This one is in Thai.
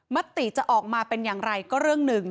มติจะออกมาเป็นอย่างไรก็เรื่องหนึ่ง